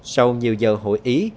sau nhiều giờ hội ý